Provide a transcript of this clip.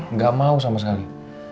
nggak mau sama sekali